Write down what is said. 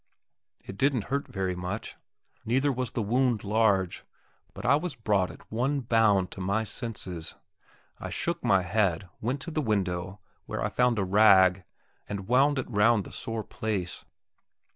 It didn't hurt very much, neither was the wound large, but I was brought at one bound to my senses. I shook my head, went to the window, where I found a rag, and wound it round the sore place.